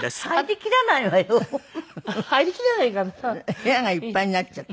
部屋がいっぱいになっちゃって？